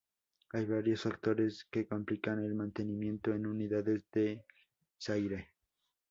Hay varios factores que complican el mantenimiento en unidades del Zaire.